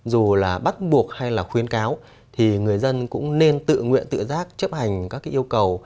dù là bắt buộc hay là khuyến cáo thì người dân cũng nên tự nguyện tự giác chấp hành các cái yêu cầu